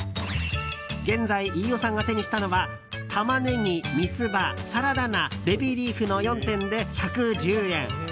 現在、飯尾さんが手にしたのはタマネギ、三つ葉、サラダ菜ベビーリーフの４点で１１０円。